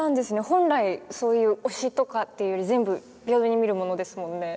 本来そういう推しとかっていうより全部平等に見るものですもんね。